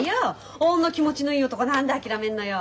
あんな気持ちのいい男何で諦めんのよ。